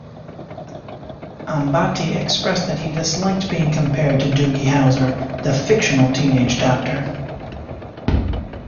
Ambati expressed that he disliked being compared to Doogie Howser, the fictional teenage doctor.